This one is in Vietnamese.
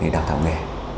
đào tạo nghề